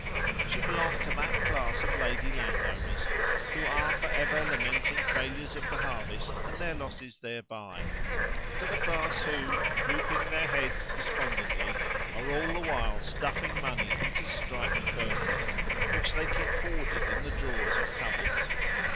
She belonged to that class of lady landowners who are for ever lamenting failures of the harvest and their losses thereby; to the class who, drooping their heads despondently, are all the while stuffing money into striped purses, which they keep hoarded in the drawers of cupboards.